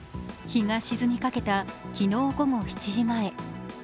日が沈みかけた昨日午後７時前。